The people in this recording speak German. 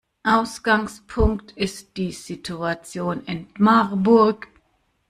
Ausgangspunkt ist die Situation in Marburg.